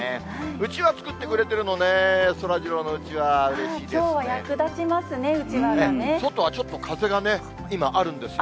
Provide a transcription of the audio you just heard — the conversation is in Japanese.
うちわ作ってくれてるのね、そらジローのうちわ、うれしいできょうは役立ちますね、外はちょっと風がね、今あるんです。